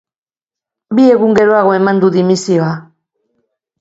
Bi egun geroago eman du dimisioa.